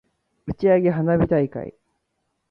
打ち上げ花火大会